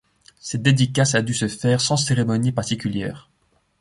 Cette dédicace a dû se faire sans cérémonie particulière.